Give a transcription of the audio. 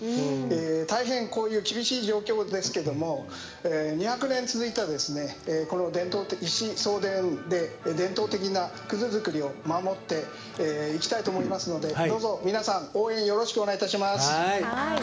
大変こういう厳しい状況ですけども２００年続いた、この伝統的一子相伝で葛作りを守っていきたいと思いますので皆さん、どうぞ応援よろしくお願いします。